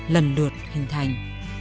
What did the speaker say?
lần lượt hình thành